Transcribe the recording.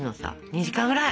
２時間ぐらい！